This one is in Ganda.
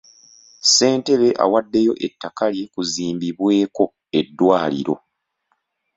Ssentebe awaddeyo ettaka lye kuzimbibweko eddwaliro.